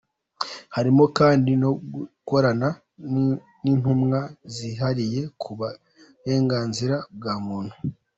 Harimo kandi no gukorana n’ intumwa zihariye ku burenganzira bwa muntu.